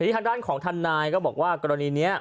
ในที่ทางด้านของท่านนายก็บอกว่ากรณีนี้